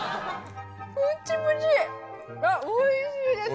あっおいしいです。